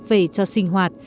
về cho sinh hoạt